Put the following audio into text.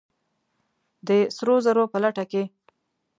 د سرو زرو په لټه کې!